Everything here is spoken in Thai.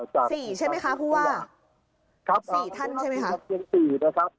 ๔ใช่ไหมครับพูดว่า๔ท่านใช่ไหมครับ